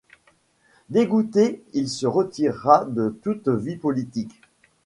Dégoûté, il se retira de toute vie politique.